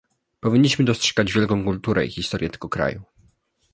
Powinniśmy dostrzegać wielką kulturę i historię tego kraju